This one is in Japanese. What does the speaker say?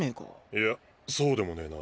いやそうでもねえな。